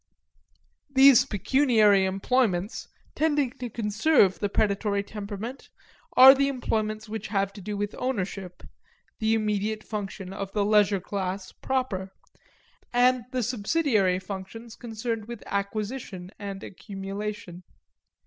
These pecuniary employments, tending to conserve the predatory temperament, are the employments which have to do with ownership the immediate function of the leisure class proper and the subsidiary functions concerned with acquisition and accumulation.